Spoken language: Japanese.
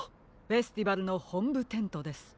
フェスティバルのほんぶテントです。